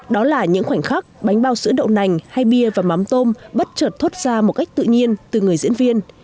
đó là những khoảnh khắc bánh bao sữa đậu nành hay bia và mắm tôm bất chợt thốt ra một cách tự nhiên từ người diễn viên